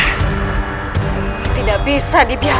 aku tidak bisa dibiarkan